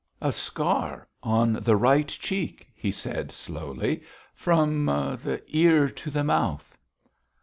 'A scar on the right cheek,' he said slowly, 'from the ear to the mouth.'